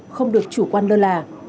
không được chủ quan lơ lả